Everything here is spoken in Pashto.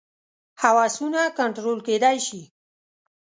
هوسونه کنټرول کېدای شي.